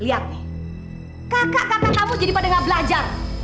lihat nih kakak kakak kamu jadi pada nggak belajar